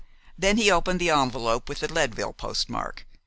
Then he opened the envelop with the Leadville postmark.